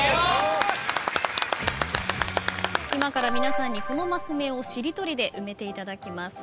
今から皆さんにこのマス目をしりとりで埋めていただきます。